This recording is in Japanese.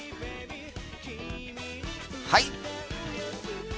はい！